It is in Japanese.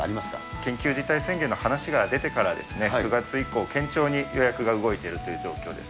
緊急事態宣言の話が出てから、９月以降、堅調に予約が動いているという状況です。